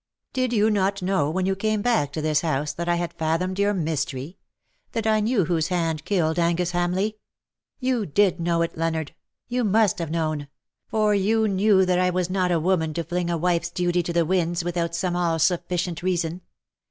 Did you not know when you came back to this house that I had fathomed your mystery — that I knew whose hand killed Angus Hamleigh. You did know it, Leonard : you must have known : for you knew that I was not a woman to fling a wife^s duty to the winds, without some all sufficient reason.